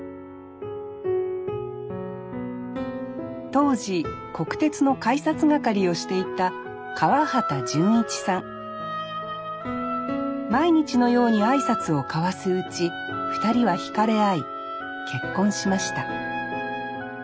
当時国鉄の改札係をしていた毎日のように挨拶を交わすうち２人は惹かれ合い結婚しました